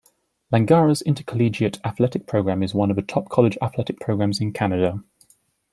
Langara's intercollegiate athletic program is one of the top college athletic programs in Canada.